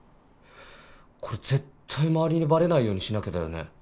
これ絶対周りにバレないようにしなきゃだよね。